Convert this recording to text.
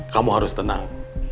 kamu harus tenang